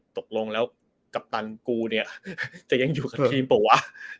ตกลงแล้วกัปตันกูเนี่ยจะยังอยู่กับทีมเปล่าวะ